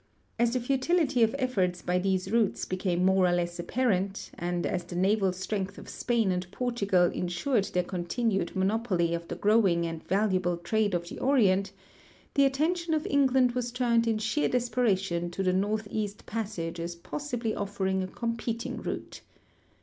As the futility of efforts by these routes became more or less aj>parent, and as the naval strength of Spain and Portugal ensured their continued monopoly of the growing and valuable trade of the Orient, the attention of England was turned in sheer desperation to the northeast ])assage as possibly offering a com ]>eting route.